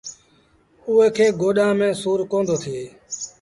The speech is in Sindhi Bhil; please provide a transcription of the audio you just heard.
اُئي کي ڪوڏآن ميݩ سُور ڪوندو ٿئي۔